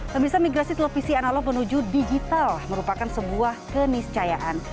pemirsa migrasi televisi analog menuju digital merupakan sebuah keniscayaan